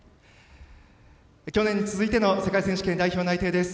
去年に続いての世界選手権代表内定です。